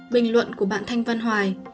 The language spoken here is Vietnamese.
bình luận của bạn thanh văn hoài